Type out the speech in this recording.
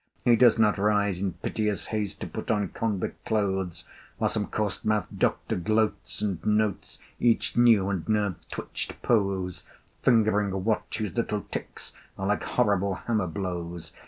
He does not rise in piteous haste To put on convict clothes, While some coarse mouthed Doctor gloats, and notes Each new and nerve twitched pose, Fingering a watch whose little ticks Are like horrible hammer blows.